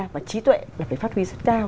và trí tuệ là phải phát huy rất cao